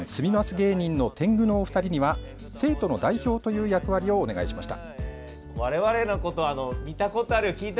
芸人の天狗のお二人には生徒の代表という役割をお願いしました。